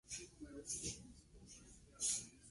Actualmente la exposición 'Villa Cornelius.